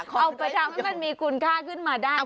เอาไปทำให้มันมีคุณค่าขึ้นมาได้